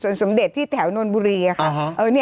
ยังไม่ได้ตอบรับหรือเปล่ายังไม่ได้ตอบรับหรือเปล่า